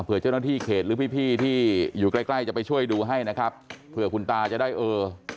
เพื่อเจ้าหน้าที่เขตหรือพี่พี่ที่อยู่ใกล้ใกล้จะไปช่วยดูให้นะครับเผื่อคุณตาจะได้เออ